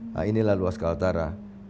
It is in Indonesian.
nah inilah luas kaltara